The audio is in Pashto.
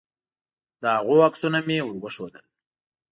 د هغوی عکسونه مې ور وښودل.